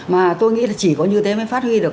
mà tôi nghĩ là chỉ có như thế mới phát huy được